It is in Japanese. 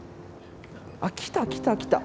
あっ来た来た来た！